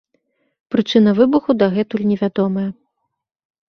Прычына выбуху дагэтуль невядомая.